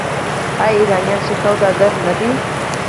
آیا ایرانیان ښه سوداګر نه دي؟